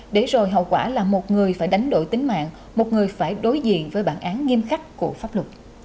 để rồi hậu quả là một người phải đánh đổi tính mạng một người phải đối diện với bản án nghiêm khắc của pháp luật